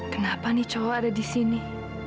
kenapa nih cowok ada di sini